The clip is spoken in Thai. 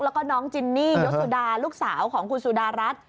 แล้วก็น้องจินนี่ยศสุดาลูกสาวของคุณสุดารัฐ